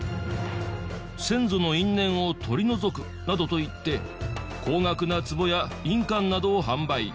「先祖の因縁を取り除く」などと言って高額な壺や印鑑などを販売。